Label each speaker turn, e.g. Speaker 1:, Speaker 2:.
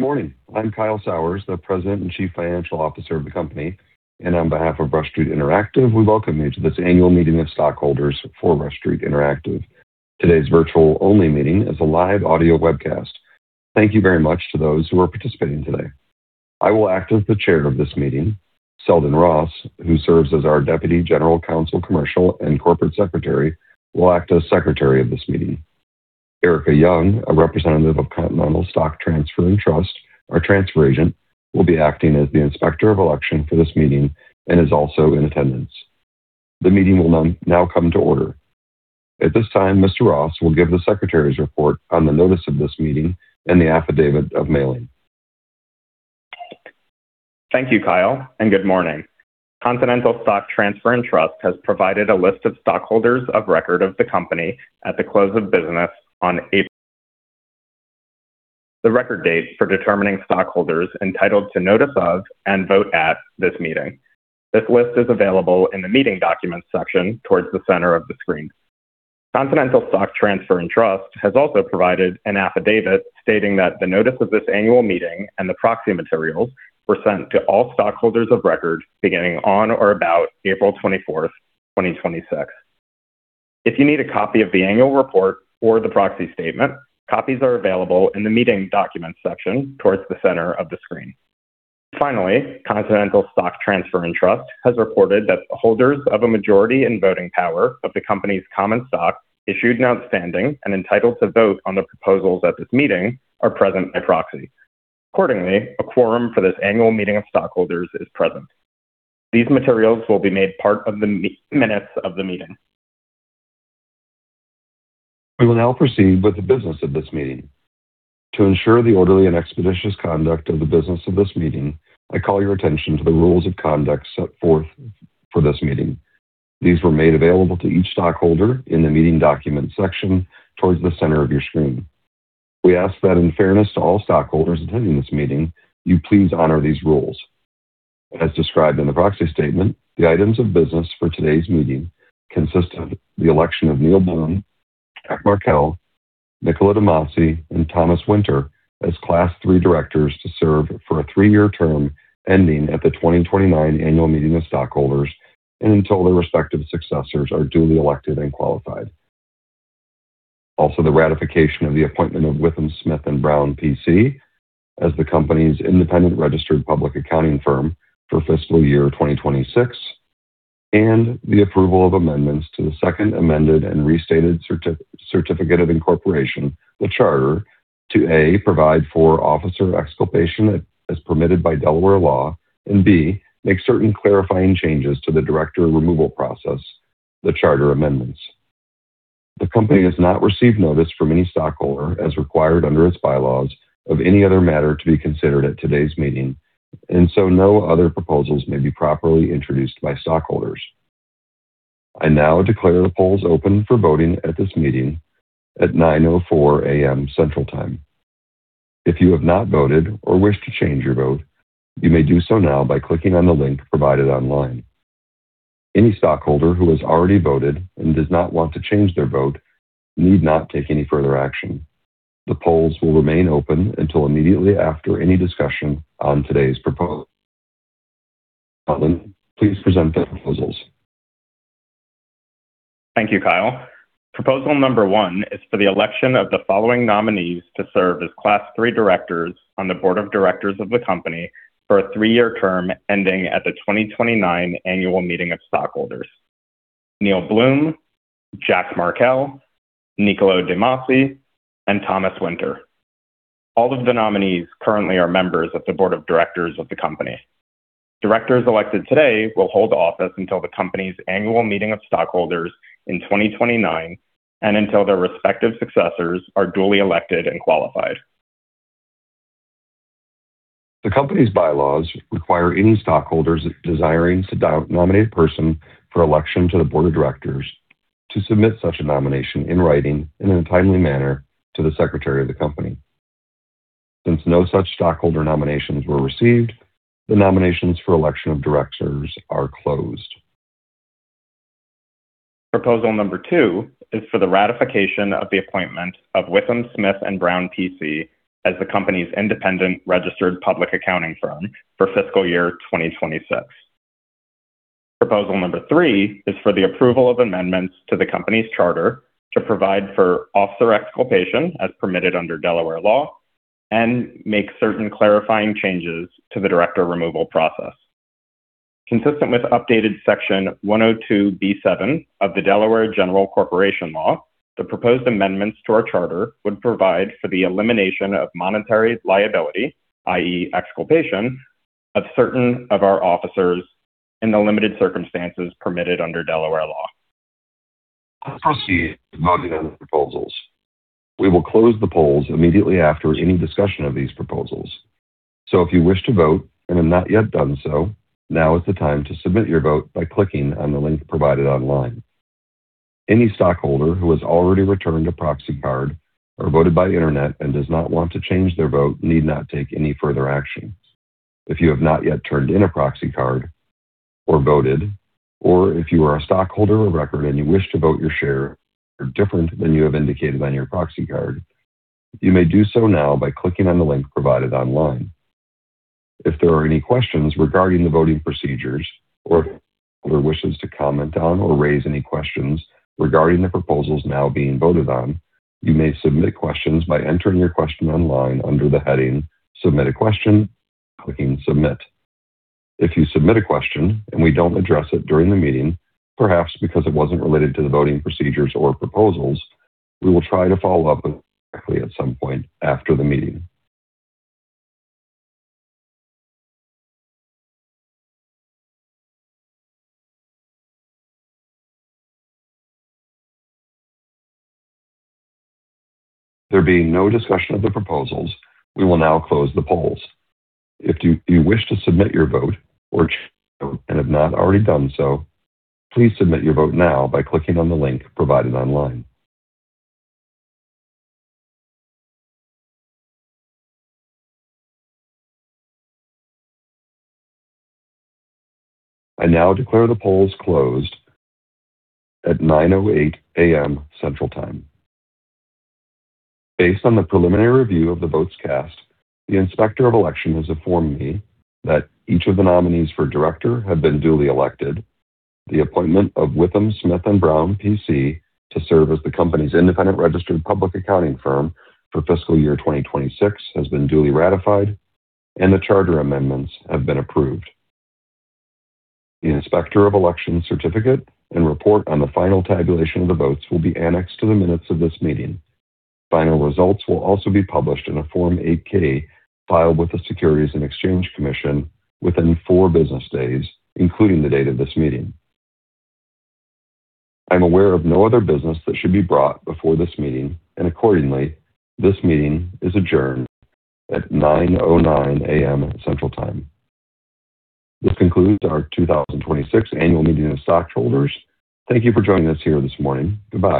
Speaker 1: Good morning. I'm Kyle Sauers, the President and Chief Financial Officer of the company. On behalf of Rush Street Interactive, we welcome you to this annual meeting of stockholders for Rush Street Interactive. Today's virtual-only meeting is a live audio webcast. Thank you very much to those who are participating today. I will act as the chair of this meeting. Selden Ross, who serves as our Deputy General Counsel, Commercial, and Corporate Secretary, will act as secretary of this meeting. Erika Young, a representative of Continental Stock Transfer & Trust, our transfer agent, will be acting as the inspector of election for this meeting and is also in attendance. The meeting will now come to order. At this time, Mr. Ross will give the secretary's report on the notice of this meeting and the affidavit of mailing.
Speaker 2: Thank you, Kyle, and good morning. Continental Stock Transfer & Trust has provided a list of stockholders of record of the company at the close of business on April, the record date for determining stockholders entitled to notice of and vote at this meeting. This list is available in the meeting documents section towards the center of the screen. Continental Stock Transfer & Trust has also provided an affidavit stating that the notice of this annual meeting and the proxy materials were sent to all stockholders of record beginning on or about April 24th, 2026. If you need a copy of the annual report or the proxy statement, copies are available in the meeting documents section towards the center of the screen. Finally, Continental Stock Transfer & Trust has reported that the holders of a majority in voting power of the company's common stock, issued and outstanding and entitled to vote on the proposals at this meeting, are present by proxy. Accordingly, a quorum for this annual meeting of stockholders is present. These materials will be made part of the minutes of the meeting.
Speaker 1: We will now proceed with the business of this meeting. To ensure the orderly and expeditious conduct of the business of this meeting, I call your attention to the rules of conduct set forth for this meeting. These were made available to each stockholder in the meeting documents section towards the center of your screen. We ask that in fairness to all stockholders attending this meeting, you please honor these rules. As described in the proxy statement, the items of business for today's meeting consist of the election of Neil Bluhm, Jack Markell, Niccolo de Masi, and Thomas Winter as Class III directors to serve for a three-year term ending at the 2029 annual meeting of stockholders and until their respective successors are duly elected and qualified. Also, the ratification of the appointment of WithumSmith+Brown, PC as the company's independent registered public accounting firm for fiscal year 2026, and the approval of amendments to the second amended and restated certificate of incorporation, the charter, to, A, provide for officer exculpation as permitted by Delaware law, and B, make certain clarifying changes to the director removal process, the charter amendments. The company has not received notice from any stockholder, as required under its bylaws, of any other matter to be considered at today's meeting. No other proposals may be properly introduced by stockholders. I now declare the polls open for voting at this meeting at 9:04 A.M. Central Time. If you have not voted or wish to change your vote, you may do so now by clicking on the link provided online. Any stockholder who has already voted and does not want to change their vote need not take any further action. The polls will remain open until immediately after any discussion on today's proposal. Selden, please present the proposals.
Speaker 2: Thank you, Kyle. Proposal number one is for the election of the following nominees to serve as Class III directors on the board of directors of the company for a three-year term ending at the 2029 annual meeting of stockholders. Neil Bluhm, Jack Markell, Niccolo de Masi, and Thomas Winter. All of the nominees currently are members of the board of directors of the company. Directors elected today will hold office until the company's annual meeting of stockholders in 2029 and until their respective successors are duly elected and qualified.
Speaker 1: The company's bylaws require any stockholders desiring to nominate a person for election to the board of directors to submit such a nomination in writing and in a timely manner to the secretary of the company. Since no such stockholder nominations were received, the nominations for election of directors are closed.
Speaker 2: Proposal number two is for the ratification of the appointment of WithumSmith+Brown, PC as the company's independent registered public accounting firm for fiscal year 2026. Proposal number three is for the approval of amendments to the company's charter to provide for officer exculpation as permitted under Delaware law and make certain clarifying changes to the director removal process. Consistent with updated Section 102(b)(7) of the Delaware General Corporation Law, the proposed amendments to our charter would provide for the elimination of monetary liability, i.e., exculpation, of certain of our officers in the limited circumstances permitted under Delaware law.
Speaker 1: Let's proceed to voting on the proposals. We will close the polls immediately after any discussion of these proposals. If you wish to vote and have not yet done so, now is the time to submit your vote by clicking on the link provided online. Any stockholder who has already returned a proxy card or voted by internet and does not want to change their vote need not take any further action. If you have not yet turned in a proxy card or voted, or if you are a stockholder of record and you wish to vote your share different than you have indicated on your proxy card, you may do so now by clicking on the link provided online. If there are any questions regarding the voting procedures or wishes to comment on or raise any questions regarding the proposals now being voted on, you may submit questions by entering your question online under the heading Submit a Question, clicking Submit. If you submit a question and we don't address it during the meeting, perhaps because it wasn't related to the voting procedures or proposals, we will try to follow up directly at some point after the meeting. There being no discussion of the proposals, we will now close the polls. If you wish to submit your vote or change and have not already done so, please submit your vote now by clicking on the link provided online. I now declare the polls closed at 9:08 A.M. Central Time. Based on the preliminary review of the votes cast, the Inspector of Election has informed me that each of the nominees for director have been duly elected. The appointment of WithumSmith+Brown, PC to serve as the company's independent registered public accounting firm for fiscal year 2026 has been duly ratified, and the charter amendments have been approved. The Inspector of Election certificate and report on the final tabulation of the votes will be annexed to the minutes of this meeting. Final results will also be published in a Form 8-K file with the Securities and Exchange Commission within four business days, including the date of this meeting. I'm aware of no other business that should be brought before this meeting, and accordingly, this meeting is adjourned at 9:09 A.M. Central Time. This concludes our 2026 annual meeting of stockholders. Thank you for joining us here this morning. Goodbye.